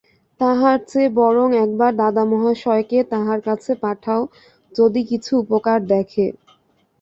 তাহার চেয়ে বরং একবার দাদা মহাশয়কে তাঁহার কাছে পাঠাও, যদি কিছু উপকার দেখে।